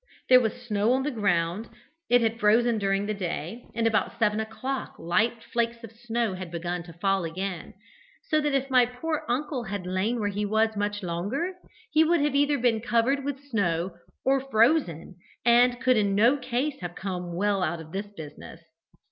There was snow on the ground: it had frozen during the day, and, about seven o'clock, light flakes of snow had begun to fall again, so that if my poor uncle had lain where he was much longer, he would either have been covered with snow, or frozen, and could in no case have come well out of the business.